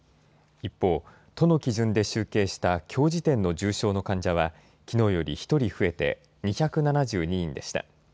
一方、都の基準で集計したきょう時点の重症の患者は、きのうより１人増えて２７２人でした。